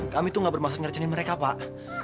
kami tuh gak bermaksud ngerjain mereka pak